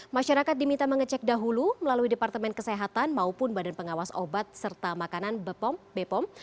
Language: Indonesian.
masyarakat diminta mengecek dahulu melalui departemen kesehatan maupun badan pengawas obat serta makanan bepom